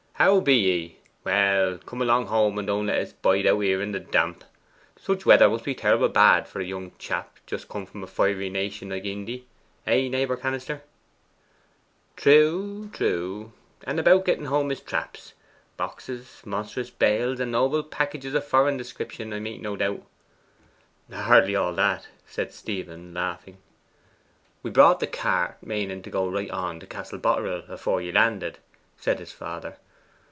'How be ye? Well, come along home, and don't let's bide out here in the damp. Such weather must be terrible bad for a young chap just come from a fiery nation like Indy; hey, naibour Cannister?' 'Trew, trew. And about getting home his traps? Boxes, monstrous bales, and noble packages of foreign description, I make no doubt?' 'Hardly all that,' said Stephen laughing. 'We brought the cart, maning to go right on to Castle Boterel afore ye landed,' said his father.